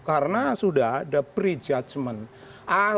karena sudah ada prejudgment